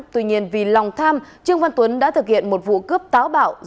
tuy nhiên vì lòng tham trương văn tuấn đã thực hiện một vụ cướp táo bạo